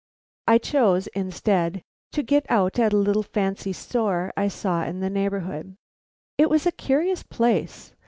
I chose, instead, to get out at a little fancy store I saw in the neighborhood. It was a curious place.